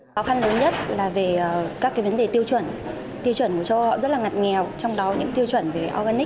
khó khăn lớn nhất là về các vấn đề tiêu chuẩn tiêu chuẩn của châu âu rất là ngặt nghèo trong đó những tiêu chuẩn về organic